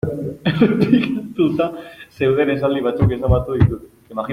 Errepikatuta zeuden esaldi batzuk ezabatu ditut.